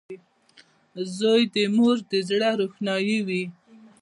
• زوی د مور د زړۀ روښنایي وي.